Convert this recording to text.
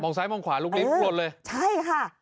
มองซ้ายมองขวาลุกลิ๊บลดเลยใช่ค่ะ